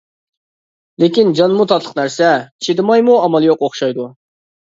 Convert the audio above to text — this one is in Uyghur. لېكىن جانمۇ تاتلىق نەرسە، چىدىمايمۇ ئامال يوق ئوخشايدۇ.